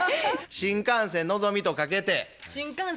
新幹線ののぞみとかけて。